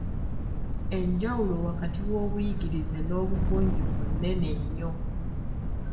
Enjawulo wakati w’obuyigirize n’obugunjufu nnene nnyo.